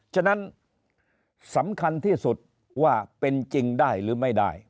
ฉะนั้นสำคัญที่สุดว่าเป็นจริงได้หรือไม่ได้